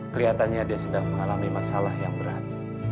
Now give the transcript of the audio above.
kelihatannya dia sedang mengalami masalah yang berat